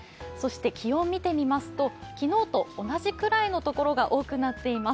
気温を見てみますと、昨日と同じくらいのところが多くなっています。